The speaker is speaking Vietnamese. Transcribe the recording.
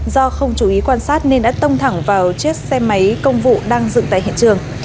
do không chú ý quan sát nên đã tông thẳng vào chiếc xe máy công vụ đang dựng tại hiện trường